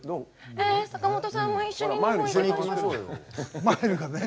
え坂本さんも一緒に日本行きましょう。